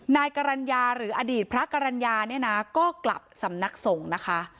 นายกรรณญาหรืออดีตพระกรรณญาเนี่ยนะก็กลับสำนักสงฆ์นะคะ